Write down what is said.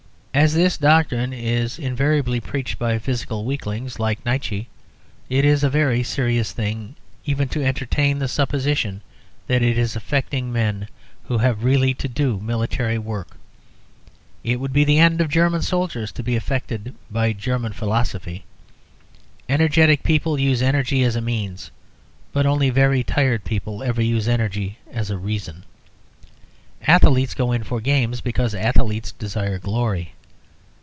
As this doctrine is invariably preached by physical weaklings like Nietzsche it is a very serious thing even to entertain the supposition that it is affecting men who have really to do military work It would be the end of German soldiers to be affected by German philosophy. Energetic people use energy as a means, but only very tired people ever use energy as a reason. Athletes go in for games, because athletes desire glory.